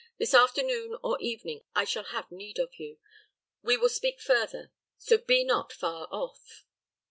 This afternoon or evening I shall have need of you. Then we will speak further; so be not far off."